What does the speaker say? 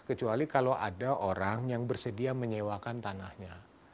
kecuali kalau ada orang yang bersedia menyewakan tanahnya